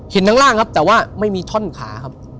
เห็นทั้งล่างครับแต่ว่าไม่มีท่อนขาครับ